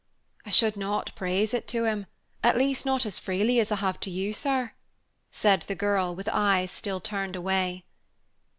"I should not praise it to him at least, not as freely as I have to you, sir," said the girl, with eyes still turned away.